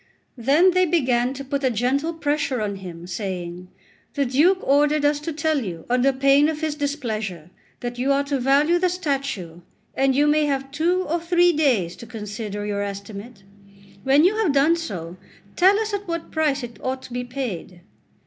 Then they began to put a gentle pressure on him, saying: "The Duke ordered us to tell you, under pain of his displeasure, that you are to value the statue, and you may have two or three days to consider your estimate. When you have done so, tell us at what price it ought to be paid."